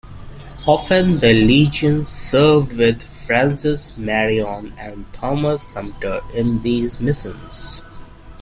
Often, the Legion served with Francis Marion and Thomas Sumter in these missions.